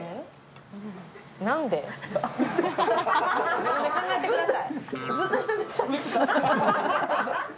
自分で考えてください。